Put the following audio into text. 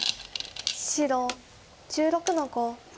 白１６の五。